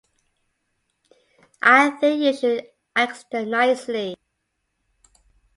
I think you should ask them nicely